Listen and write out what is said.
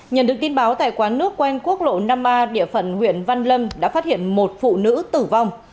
nhận được tin báo tại quán nước quen quốc lộ năm a địa phận huyện văn lâm đã phát hiện một phụ nữ tử vong